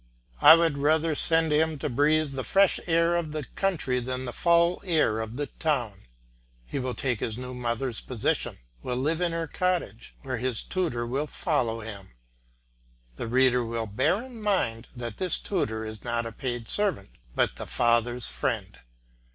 I would rather send him to breathe the fresh air of the country than the foul air of the town. He will take his new mother's position, will live in her cottage, where his tutor will follow him. The reader will bear in mind that this tutor is not a paid servant, but the father's friend.